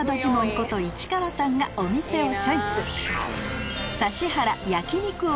こと市川さんがお店をチョイス